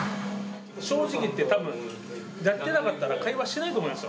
正直言って、たぶん、やってなかったら会話してないと思いますよ。